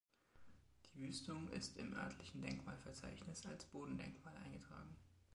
Die Wüstung ist im örtlichen Denkmalverzeichnis als Bodendenkmal eingetragen.